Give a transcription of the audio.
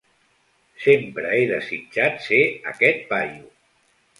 Sempre he desitjat ser aquest paio.